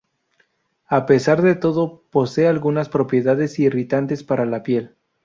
A pesar de todo posee algunas propiedades irritantes para la piel.